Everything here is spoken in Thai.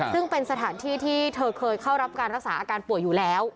ซึ่งเป็นสถานที่ที่เธอเคยเข้ารับการรักษาอาการป่วยอยู่แล้ว